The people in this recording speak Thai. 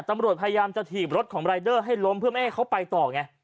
ตำรวจพยายามจะถีบรถของรายเดอร์ให้ล้มเพื่อไม่ให้เขาไปต่อไง